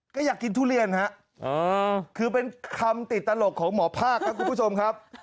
ก็อยากกินทุเรียนฮะคือเป็นคำติดตลกของหมอภาคครับคุณผู้ชมครับ